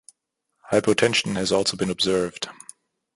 Hypotension has also been observed.